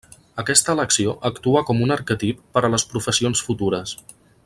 Aquesta elecció actua com un arquetip per a les professions futures.